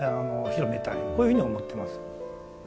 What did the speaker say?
こういうふうに思ってます。